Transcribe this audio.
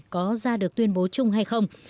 có ra được tuyên bố chung hay không